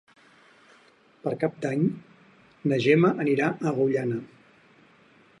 Per Cap d'Any na Gemma anirà a Agullana.